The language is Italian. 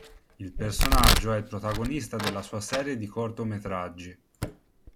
Il personaggio è il protagonista della sua serie di cortometraggi.